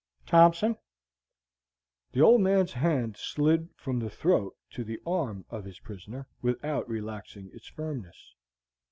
"Thompson!" The old man's hand slid from the throat to the arm of his prisoner, without relaxing its firmness.